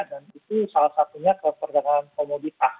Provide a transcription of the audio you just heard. dan itu salah satunya keperdagangan komoditas